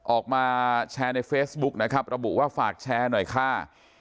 ออกมาแชร์ในเฟซบุ๊กนะครับระบุว่าฝากแชร์หน่อยค่ะ